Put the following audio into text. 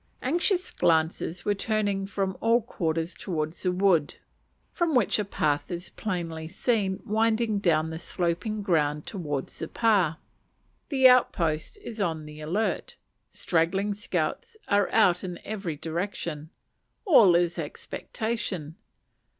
Anxious glances are turning from all quarters towards the wood, from which a path is plainly seen winding down the sloping ground towards the pa. The outpost is on the alert. Straggling scouts are out in every direction. All is expectation.